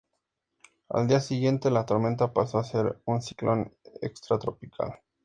Al día siguiente, la tormenta pasó a ser un ciclón extratropical.